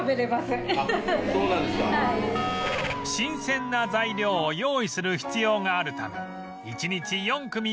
新鮮な材料を用意する必要があるため１日４組限定の予約制